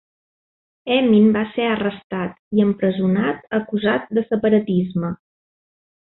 Emin va ser arrestat i empresonat, acusat de separatisme.